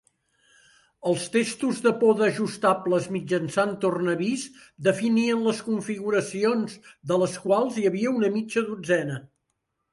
Els testos de poda ajustables mitjançant tornavís definien les configuracions, de les quals hi havia una mitja dotzena.